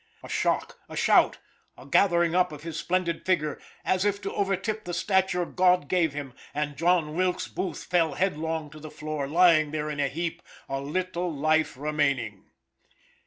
A shock, a shout, a gathering up of his splendid figure as if to overtip the stature God gave him, and John Wilkes Booth fell headlong to the floor, lying there in a heap, a little life remaining.